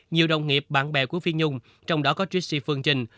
nhiều đồng nghiệp bạn bè của phi nhung trong đó có tristi phương trinh